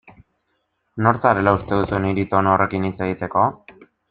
Nor zarela uste duzu niri tonu horrekin hitz egiteko?